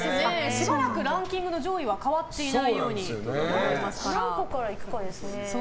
しばらくランキングの上位は変わっていないように何個からいくかですね。